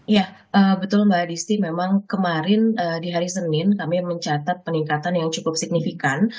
ya betul mbak disti memang kemarin di hari senin kami mencatat peningkatan yang cukup signifikan